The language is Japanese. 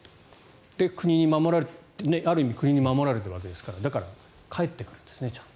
ある意味国に守られているわけですからだから帰ってくるんですねちゃんと。